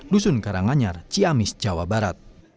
dusun karanganyar ciamis jawa barat